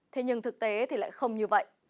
thế nhưng thực tế lại không như vậy